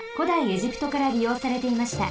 エジプトからりようされていました。